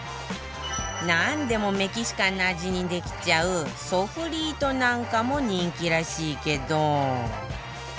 なんでもメキシカンな味にできちゃうソフリートなんかも人気らしいけど